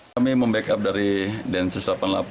kami membackup dari densus delapan puluh delapan